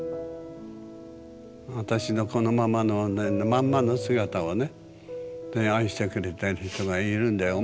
私のこのままのまんまの姿をね愛してくれてる人がいるんだよ。